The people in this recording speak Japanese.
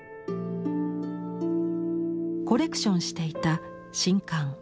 コレクションしていた「宸翰」。